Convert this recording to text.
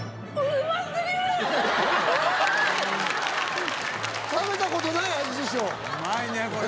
うまいねこれ。